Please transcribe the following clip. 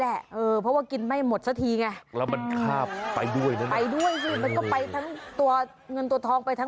ซึ่งต้องบอกคุณผู้ชมว่าชาวบ้านเจ้าของบ้านที่เขาอยู่ตรงนั้น